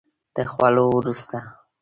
د خوړو وروسته